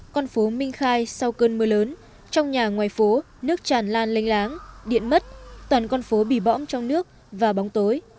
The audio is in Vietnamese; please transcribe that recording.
con phố minh khai sau cơn mưa lớn trong nhà ngoài phố nước tràn lan lênh láng điện mất toàn con phố bị bõm trong nước và bóng tối